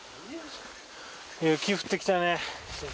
雪降ってきたね。